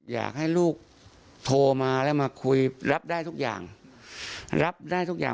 อยากให้ลูกโทรมาแล้วมาคุยรับได้ทุกอย่างรับได้ทุกอย่าง